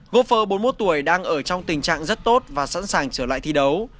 gopher bốn mươi một tuổi đang ở trong tình trạng rất tốt và sẵn sàng trở lại thi đấu